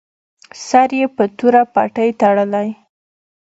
سر یې په توره پټۍ تړلی.